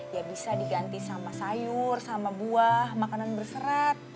ya bisa diganti sama sayur sama buah makanan berserat